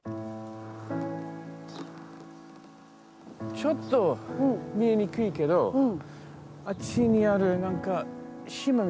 ちょっと見えにくいけどあっちにある何か島み